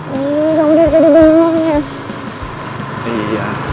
oh gampang jadi bangun ya